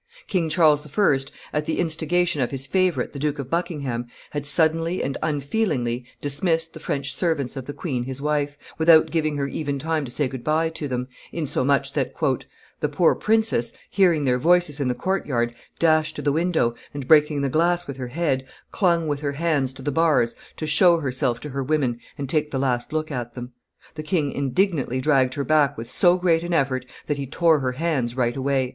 King Charles I., at the instigation of his favorite the Duke of Buckingham, had suddenly and unfeelingly dismissed the French servants of the queen his wife, without giving her even time to say good by to them, insomuch that "the poor princess, hearing their voices in the court yard, dashed to the window, and, breaking the glass with her head, clung with her hands to the bars to show herself to her women and take the last look at them. The king indignantly dragged her back with so great an effort that he tore her hands right away."